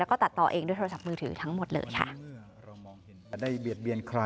แล้วก็ตัดต่อเองด้วยโทรศัพท์มือถือทั้งหมดเลยค่ะ